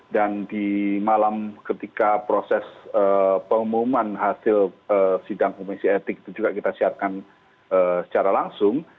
dan di malam ketika proses pengumuman hasil sidang komisi etik itu juga kita siapkan secara langsung